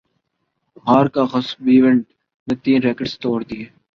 ہارکاغصہبیئونٹ نے تین ریکٹس توڑ دیئے